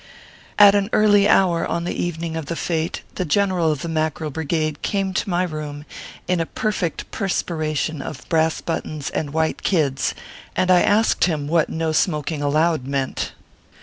At an early hour on the evening of the fete, the general of the Mackerel Brigade came to my room in a perfect perspiration of brass buttons and white kids, and I asked him what "no smoking aloud" meant.